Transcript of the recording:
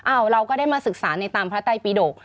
เราก็ได้มาศึกษาในตามพระไตปีดก